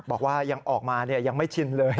บอกว่ายังออกมายังไม่ชินเลย